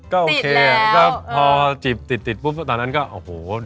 ก็โอเคอ่ะพอจีบติดตอนนั้นก็โอ้โฮ